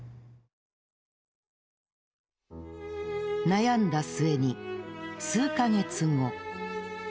悩んだ末に数か月後。